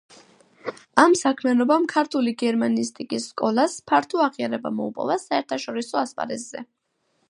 ამ საქმიანობამ ქართული გერმანისტიკის სკოლას ფართო აღიარება მოუპოვა საერთაშორისო ასპარეზზე.